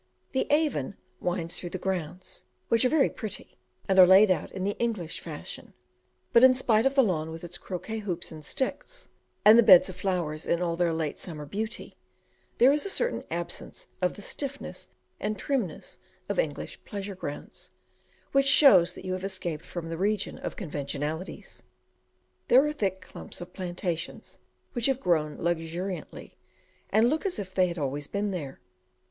The Avon winds through the grounds, which are very pretty, and are laid out in the English fashion; but in spite of the lawn with its croquet hoops and sticks, and the beds of flowers in all their late summer beauty, there is a certain absence of the stiffness and trimness of English pleasure grounds, which shows that you have escaped from the region of conventionalities. There are thick clumps of plantations, which have grown luxuriantly, and look as if they had always been there.